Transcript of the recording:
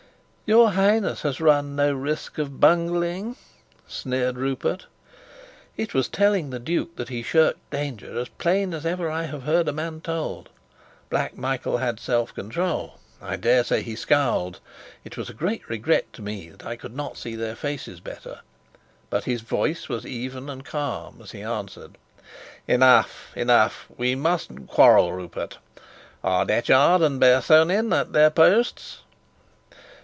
"Your Highness has run no risk of bungling!" sneered Rupert. It was telling the duke that he shirked danger as plain as ever I have heard a man told. Black Michael had self control. I dare say he scowled it was a great regret to me that I could not see their faces better but his voice was even and calm, as he answered: "Enough, enough! We mustn't quarrel, Rupert. Are Detchard and Bersonin at their posts?"